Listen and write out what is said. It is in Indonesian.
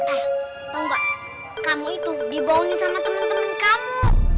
eh tau gak kamu itu dibohongin sama temen temen kamu